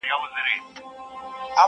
o فقر کوه، خداى يادوه٫